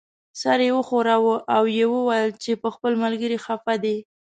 سر یې وښوراوه او یې وویل چې په خپل ملګري خپه دی.